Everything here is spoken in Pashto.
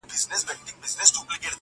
جګړه نښتې په سپین سبا ده!!